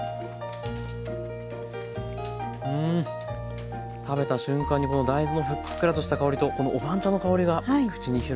うん食べた瞬間に大豆のふっくらとした香りとお番茶の香りが口に広がりますね。